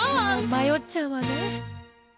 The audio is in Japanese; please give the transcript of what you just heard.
まよっちゃうわね。